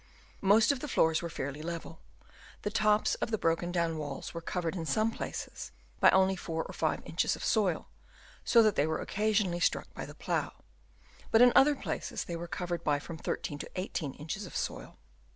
Most of the floors were fairly level. The tops of the broken down walls were covered in some places by only 4 or 5 inches of soil, so that they were occasionally struck by the plough, but in other places they were covered by from 13 to 18 inches of soil.